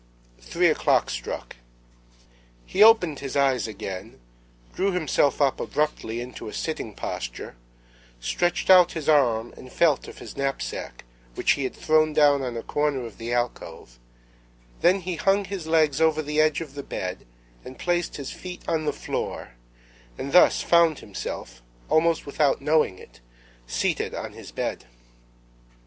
Three o'clock struck. He opened his eyes again, drew himself up abruptly into a sitting posture, stretched out his arm and felt of his knapsack, which he had thrown down on a corner of the alcove; then he hung his legs over the edge of the bed, and placed his feet on the floor, and thus found himself, almost without knowing it, seated on his bed.